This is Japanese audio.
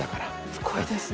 すごいですね。